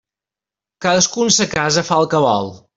Cadascú en sa casa fa el que vol.